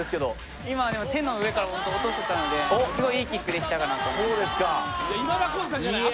今、手の上から落とせたのですごいいいキックができたと思います。